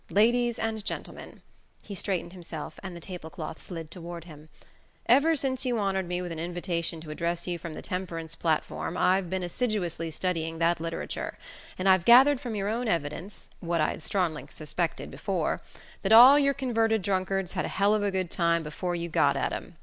Ladies and Gentlemen" he straightened himself, and the table cloth slid toward him "ever since you honoured me with an invitation to address you from the temperance platform I've been assiduously studying that literature; and I've gathered from your own evidence what I'd strongly suspected before that all your converted drunkards had a hell of a good time before you got at 'em, and that...